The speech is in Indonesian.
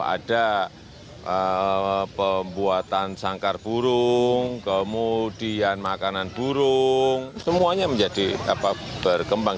ada pembuatan sangkar burung kemudian makanan burung semuanya menjadi berkembang